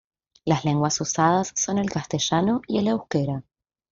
Las lenguas usadas son el castellano y el euskera.